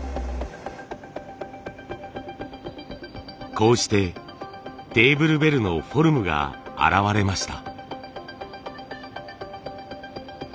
こうしてテーブルベルのフォルムが現れました。